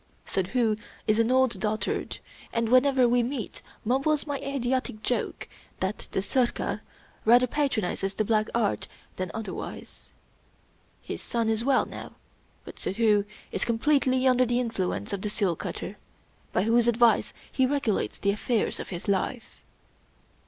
Suddhoo is an old dotard; and whenever we meet mumbles my idiotic joke that the Sirkar rather patronizes the Black Art than otherwise. His son is well now; but Suddhoo is completely under the in fluence of the seal cutter, by whose advice he regulates the affairs of his life.